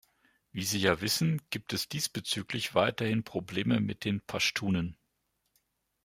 Wie Sie ja wissen, gibt es diesbezüglich weiterhin Probleme mit den Paschtunen.